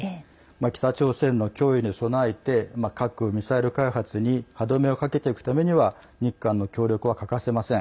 北朝鮮の脅威に備えて核・ミサイル開発に歯止めをかけていくためには日韓の協力は欠かせません。